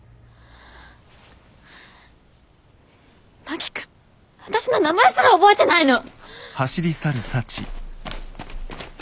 真木君私の名前すら覚えてないの！？